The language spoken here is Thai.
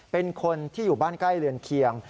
เป็นคนที่อยู่บ้านใกล้เรือนเคียง